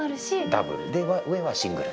ダブルで上はシングル。